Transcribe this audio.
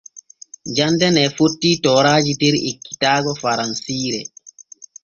Jande ne fotti tooraaji der ekkitaaɗe faransiire.